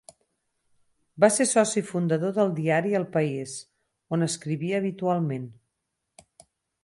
Va ser soci fundador del diari El País, on escrivia habitualment.